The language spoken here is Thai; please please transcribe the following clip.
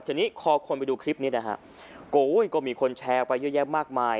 ทีนี้พอคนไปดูคลิปนี้นะฮะก็มีคนแชร์ไปเยอะแยะมากมาย